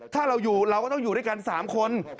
ถ้าเราอยู่เราก็ต้องอยู่ด้วยกัน๓คน